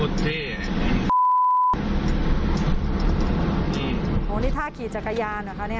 นี่ท่าขี่จักรยานเหรอคะ